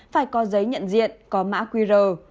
phải có giấy nhận diện có mã qr